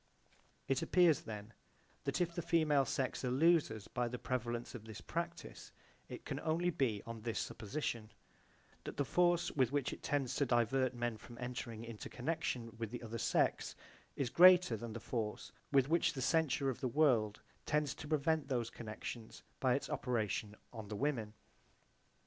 It appears then that if the female sex are losers by the prevalence of this practise it can only be on this supposition that the force with which it tends to divert men from entering into connection with the other sex is greater than the force with which the censure of the world tends to prevent those connections by its operation on the women.